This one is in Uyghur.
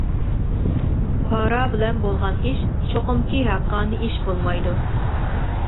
پارا بىلەن بولغان ئىش چوقۇمكى ھەققانىي ئىش بولمايدۇ.